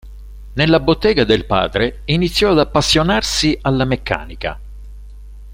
Nella bottega del padre iniziò ad appassionarsi alla meccanica.